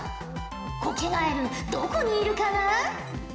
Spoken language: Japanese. コケガエルどこにいるかな？